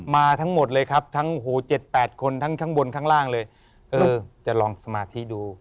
มาทั้งหมดเลยครับทั้ง๗๘คนทั้งบนทั้งล่างจะลองถึงสมาธิดู